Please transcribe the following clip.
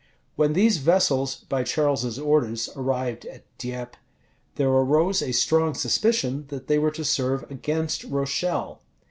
When these vessels, by Charles's orders, arrived at Dieppe, there arose a strong suspicion that they were to serve against Rochelle.